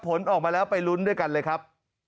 ผลออกมาแล้วไปลุ้นด้วยกันเลยครับ